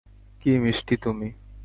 কি মিষ্টি তুমি।